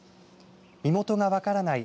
身元が分からない